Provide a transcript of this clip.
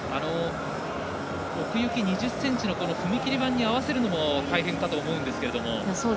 奥行き２０ｃｍの踏切板に合わせるのも大変かと思うんですけれども。